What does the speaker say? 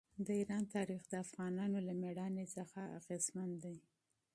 د ایران تاریخ د افغانانو له مېړانې څخه متاثره دی.